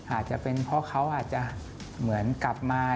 อาจจะเป็นเพราะเขาอาจจะเหมือนกลับมา